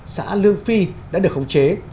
xã lương phi đã được khống chế